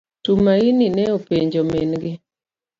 Tumaini ne openjo min gi.